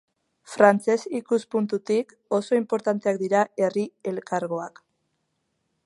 Frantsez ikuspuntutik, oso inportanteak dira herri-elkargoak.